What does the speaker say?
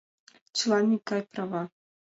Чылан икгай права!